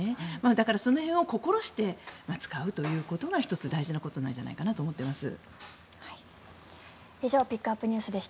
だから、その辺を心して使うということが１つ、大事なことなんじゃないかなと思っています。